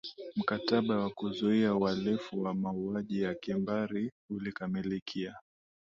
mkataba wa kuzuia ualifu wa mauaji ya kimbari ulikamilika